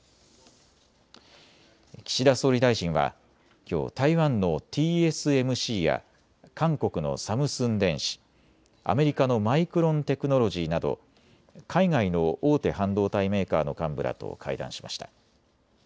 岸田総理大臣はきょう、台湾のＴＳＭＣや韓国のサムスン電子、アメリカのマイクロン・テクノロジーなど海外の大手半導体メーカーの幹部らと会談しました。